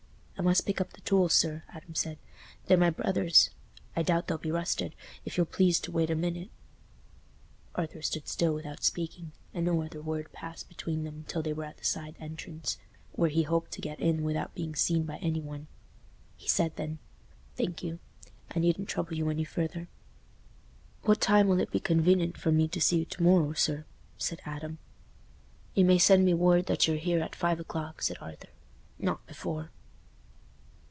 "I must pick up the tools, sir," Adam said. "They're my brother's. I doubt they'll be rusted. If you'll please to wait a minute." Arthur stood still without speaking, and no other word passed between them till they were at the side entrance, where he hoped to get in without being seen by any one. He said then, "Thank you; I needn't trouble you any further." "What time will it be conven'ent for me to see you to morrow, sir?" said Adam. "You may send me word that you're here at five o'clock," said Arthur; "not before."